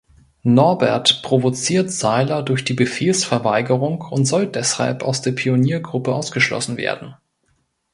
Norbert provoziert Seiler durch die Befehlsverweigerung und soll deshalb aus der Pioniergruppe ausgeschlossen werden.